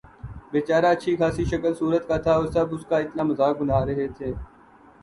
بے چارہ اچھی خاصی شکل صورت کا تھا اور سب اس کا اتنا مذاق بنا رہے تھے